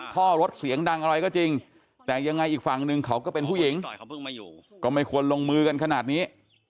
ท่อรถเสียงดังอะไรก็จริงแต่ยังไงอีกฝั่งหนึ่งเขาก็เป็นผู้หญิงก็ไม่ควรลงมือกันขนาดนี้